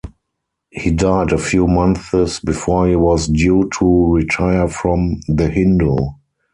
He died a few months before he was due to retire from "The Hindu".